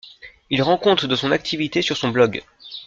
Il rend compte de son activité sur son blog.